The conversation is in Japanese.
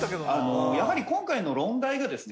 やはり今回の論題がですね